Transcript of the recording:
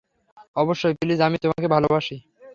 অবশ্যই - প্লিজ আমি তোমাকে ভালোবাসি।